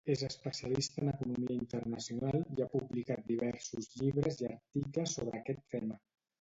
És especialista en Economia Internacional i ha publicat diversos llibres i articles sobre aquest tema.